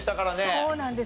そうなんです。